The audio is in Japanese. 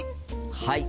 はい！